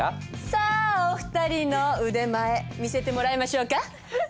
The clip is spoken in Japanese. さあお二人の腕前見せてもらいましょうか。